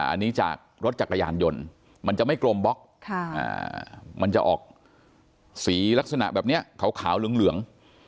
อันนี้จากรถจักรยานยนต์มันจะไม่กลมบล็อกมันจะออกสีลักษณะแบบนี้ขาวเหลือง